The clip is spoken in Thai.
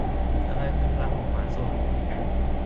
อะไรคือพลังม้าของม้าโสด